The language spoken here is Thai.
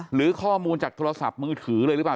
หรือข้อมูลจากโทรศัพท์มือถือเลยหรือเปล่า